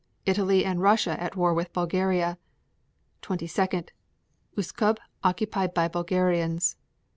Italy and Russia at war with Bulgaria. 22. Uskub occupied by Bulgarians.